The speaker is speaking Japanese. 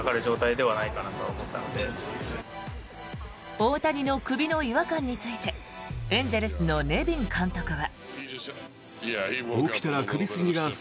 大谷の首の違和感についてエンゼルスのネビン監督は。